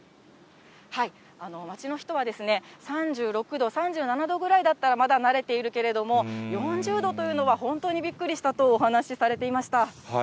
街の人は、３６度、３７度ぐらいだったらまだ慣れているけれども、４０度というのは本当にびっくりしたとお話されていました。